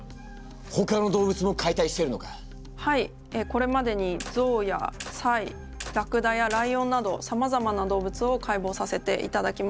これまでにゾウやサイラクダやライオンなどさまざまな動物を解剖させていただきました。